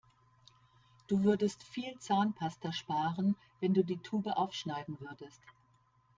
Du würdest viel Zahnpasta sparen, wenn du die Tube aufschneiden würdest.